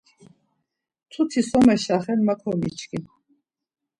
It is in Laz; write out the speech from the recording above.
Mtuti so meşaxen ma komiçkin.